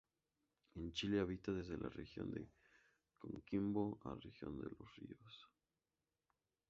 En Chile habita desde la Región de Coquimbo a Región de Los Ríos.